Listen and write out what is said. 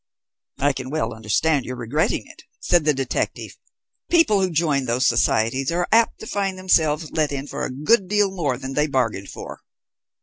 "I can well understand your regretting it," said the detective. "People who join those societies are apt to find themselves let in for a good deal more than they bargained for."